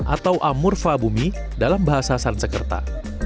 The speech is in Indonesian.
atau amurfa bumi dalam bahasa sansekerta